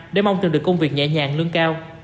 để mong chờ được công việc nhẹ nhàng lương cao